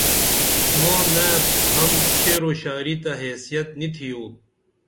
ماں نعت حمد شعرو شاعری تہ حیثیت نی تِھیو